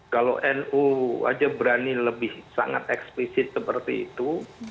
kalau nu aja berani lebih sangat eksplisit seperti itu